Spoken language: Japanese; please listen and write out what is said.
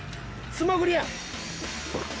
素潜りや！